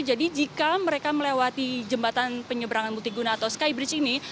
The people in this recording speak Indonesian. jadi jika mereka melewati jembatan penyeberangan mutiguna atau skybridge ini